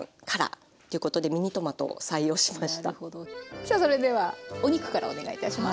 さあそれではお肉からお願いいたします。